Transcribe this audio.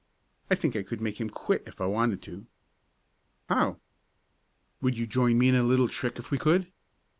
I think I could make him quit if I wanted to." "How?" "Would you join me in a little trick if we could?"